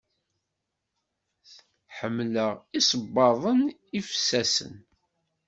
Ḥemmleɣ isebbaḍen ifsasen.